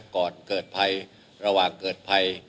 ก่อนเกิดภัยระหว่างเกิดภัย